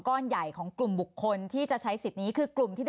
ก้อนใหญ่ของกลุ่มบุคคลที่จะใช้สิทธิ์นี้คือกลุ่มที่ได้